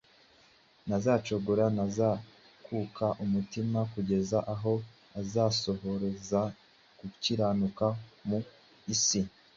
Ntazacogora, ntazakuka umutima, kugeza aho azasohoreza gukiranuka mu isi;